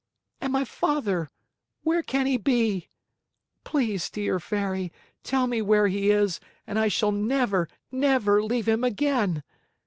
And my father where can he be? Please dear Fairy, tell me where he is and I shall never, never leave him again!